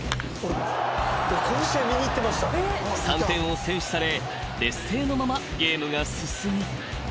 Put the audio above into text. ［３点を先取され劣勢のままゲームが進み］